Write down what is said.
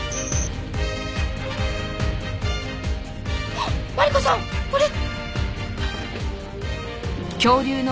あっマリコさん！これ。